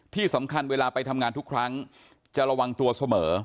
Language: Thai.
ที่สำคัญเวลาไปทำงานทุกครั้งจะระวังตัวเสมอ